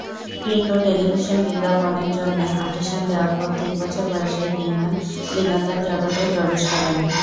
Print ও television বিজ্ঞাপনের জন্য অডিশন দেয়ার পর তিন বছর বয়সেই নিউম্যান বিনোদন জগতে প্রবেশ করেন।